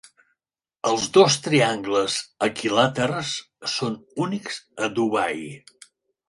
Els dos triangles equilàters són únics a Dubai.